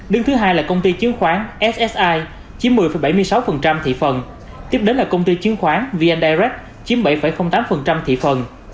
đương thứ hai là công ty chứng khoán ssi chiếm một mươi bảy mươi sáu thị phần tiếp đến là công ty chứng khoán vn direct chiếm bảy tám thị phần